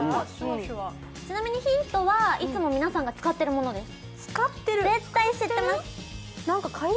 ちなみにヒントは、いつも皆さんが使っているものです。